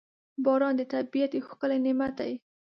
• باران د طبیعت یو ښکلی نعمت دی.